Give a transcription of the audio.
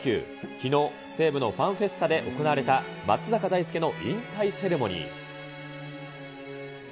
きのう、西武のファンフェスタで行われた松坂大輔の引退セレモニー。